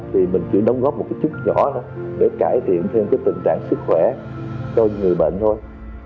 thì mình chỉ đóng góp một chút nhỏ để cải thiện thêm tình trạng sức khỏe cho người bệnh thôi